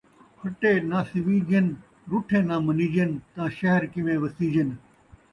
پھٹے ناں سیویجن، رُٹھے ناں منیجن تاں شہر کیویں وسیجن